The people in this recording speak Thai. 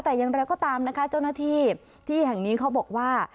แต่อย่างไรก็ตามนะคะเจ้าหน้าที่ที่แห่งนี้เขาบอกว่า